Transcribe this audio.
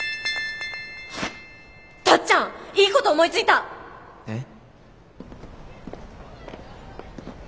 タッちゃんいいこと思いついた！え？